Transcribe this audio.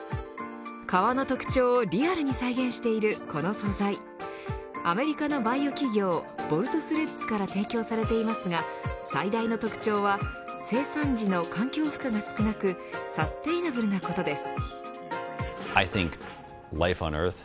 革の特徴をリアルに再現しているこの素材アメリカのバイオ企業ボルトスレッズから提供されていますが最大の特徴は生産時の環境負荷が少なくサステイナブルなことです。